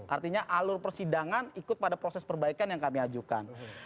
artinya alur persidangan ikut pada proses perbaikan yang kami ajukan